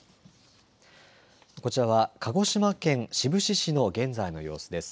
こちらは鹿児島県志布志市の現在の様子です。